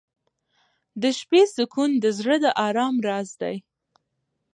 • د شپې سکون د زړه د ارام راز دی.